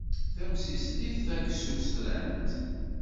Tamsislit tagsusrant.